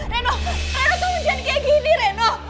reno jangan jadi kayak gini reno